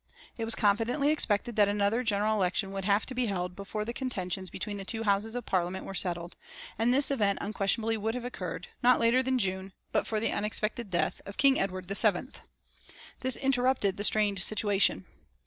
It was confidently expected that another general election would have to be held before the contentions between the two Houses of Parliament were settled, and this event unquestionably would have occurred, not later than June, but for the unexpected death of King Edward VII. This interrupted the strained situation.